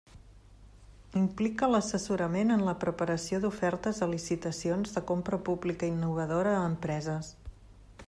Implica l'assessorament en la preparació d'ofertes a licitacions de Compra Pública Innovadora a empreses.